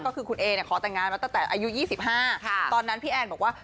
ก็คือคุณเอเนี่ยขอแต่งงานมาตั้งแต่อายุ๒๕ตอนนั้นพี่แอนบอกว่า